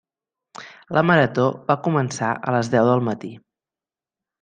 La Marató va començar a les deu del matí.